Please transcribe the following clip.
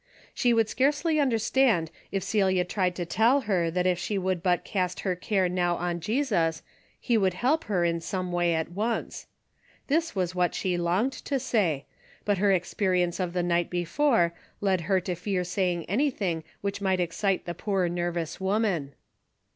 She Avould scarcely understand if Celia tried to tell her that if she would but cast her care noAV on Jesus he Avould help her in some way at once. This was what she longed to say, but her experience of the night before led her to fear saying anything which might excite the poor nervous Avoman.